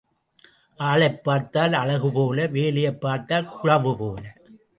ஆளைப் பார்த்தால் அழகுபோல வேலையைப் பார்த்தால் குழவு போல.